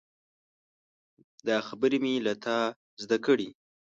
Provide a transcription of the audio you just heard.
دا خبرې مې له تا زده کړي.